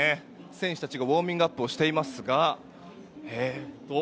選手たちがウォーミングアップをしています。